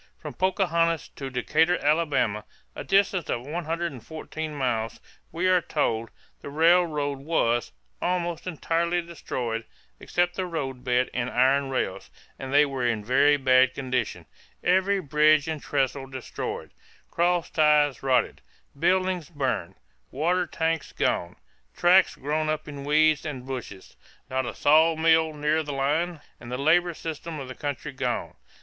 From Pocahontas to Decatur, Alabama, a distance of 114 miles, we are told, the railroad was "almost entirely destroyed, except the road bed and iron rails, and they were in a very bad condition every bridge and trestle destroyed, cross ties rotten, buildings burned, water tanks gone, tracks grown up in weeds and bushes, not a saw mill near the line and the labor system of the country gone.